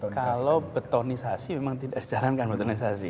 kalau betonisasi memang tidak dijalankan betonisasi